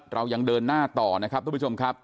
เรายังเดินหน้าต่อนะครับทุกผู้ชมครับ